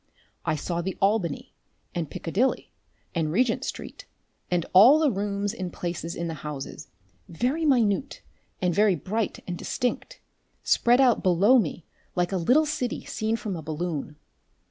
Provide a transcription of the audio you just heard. I saw the Albany and Piccadilly and Regent Street and all the rooms and places in the houses, very minute and very bright and distinct, spread out below me like a little city seen from a balloon.